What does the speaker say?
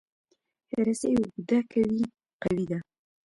رسۍ اوږده که وي، قوي ده.